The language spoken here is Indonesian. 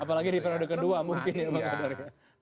apalagi di periode kedua mungkin ya bang kodari